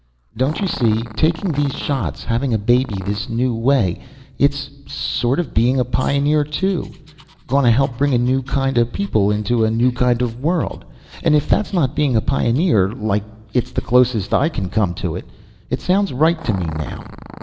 "Don't you see? Taking these shots, having a baby this new way it's sort of being a pioneer, too. Gonna help bring a new kind of people into a new kind of world. And if that's not being a pioneer, like, it's the closest I can come to it. It sounds right to me now."